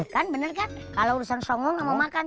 kan bener kan kalau urusan songong sama makan